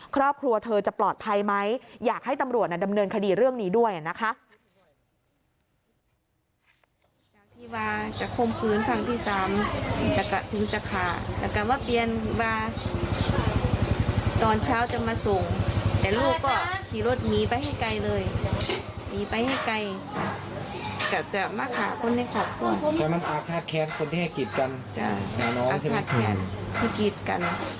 ครอบครัวเธอจะปลอดภัยไหมอยากให้ตำรวจดำเนินคดีเรื่องนี้ด้วยนะคะ